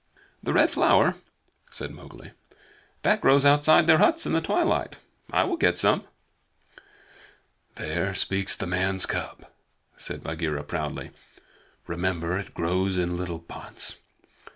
"The Red Flower?" said Mowgli. "That grows outside their huts in the twilight. I will get some." "There speaks the man's cub," said Bagheera proudly. "Remember that it grows in little pots.